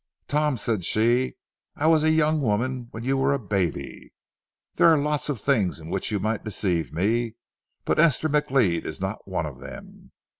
"Tom," said she, "I was a young woman when you were a baby. There's lots of things in which you might deceive me, but Esther McLeod is not one of them.